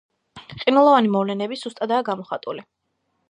ყინულოვანი მოვლენები სუსტადაა გამოხატული.